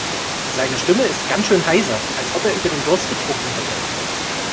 Seine Stimme ist ganz schön heiser, als ob er über den Durst getrunken hätte.